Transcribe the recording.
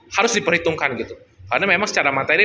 harus diperhitungkan gitu karena memang secara materi